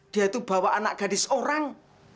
dia itu bawa anak gadis orang